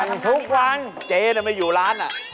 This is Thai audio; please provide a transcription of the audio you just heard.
วันทุกวันเจ๊ทำไมอยู่ร้านน่ะ